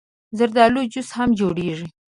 زردالو جوس هم جوړېږي.